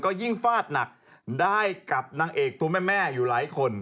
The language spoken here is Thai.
ก็ยิ่งฟาดหนักได้กับนางเอกตัวแม่อยู่หลายคน